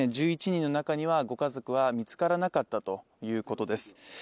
１１人の中にはご家族は見つからなかったということです。